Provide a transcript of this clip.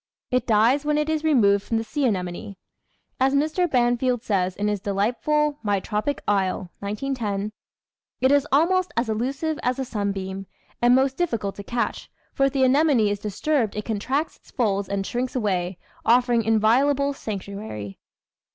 It dies when it is removed from the sea anemone. As Mr. Banfield says in his delightful My Tropic Isle (1910), "it is almost as elusive as a sunbeam, and most dif ficult to catch, for if the anemone is disturbed it contracts its folds and shrinks away, offering inviolable sanctuary."